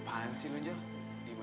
kaget sama dia kenapa